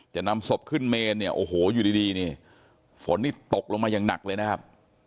จะนำศพขึ้นเมนเนี่ยโอ้โหอยู่ดีนี่ฝนนี่ตกลงมาอย่างหนักเลยนะครับ